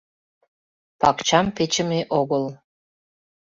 Пакчам печыме огыл.